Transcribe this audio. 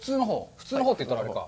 普通のほうといったらあれか。